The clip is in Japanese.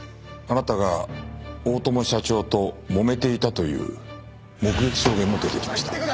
あなたが大友社長ともめていたという目撃証言も出てきました。